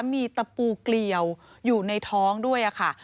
มีตะปูเกลียวอยู่ในท้องด้วยค่ะ